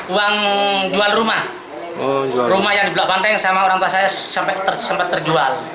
uang jual rumah rumah yang di blok pantai sama orang tua saya sampai sempat terjual